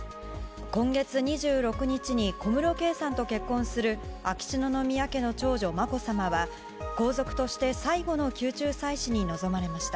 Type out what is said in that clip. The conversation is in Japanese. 今月２６日に小室圭さんと結婚する秋篠宮家の長女まこさまは皇族として最後の宮中祭祀に臨まれました。